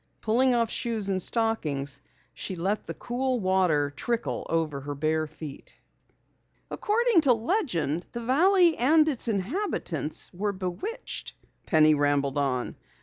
Pulling off shoes and stockings, she let the cool water trickle over her bare feet. "According to legend, the valley and its inhabitants were bewitched," Penny rambled on.